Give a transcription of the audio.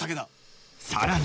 さらに